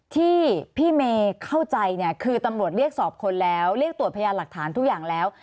ที่พี่เมย์เข้าใจเนี่ยคือตำรวจเรียกสอบคนแล้วเรียกตรวจพยานหลักฐานทุกอย่างแล้ว